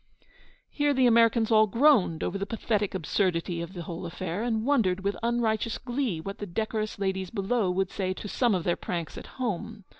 Here the Americans all groaned over the pathetic absurdity of the whole affair, and wondered with unrighteous glee what the decorous ladies below would say to some of their pranks at home.